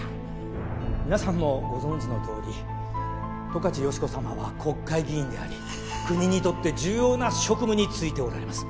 皆さんもご存じのとおり十勝喜子様は国会議員であり国にとって重要な職務に就いておられます。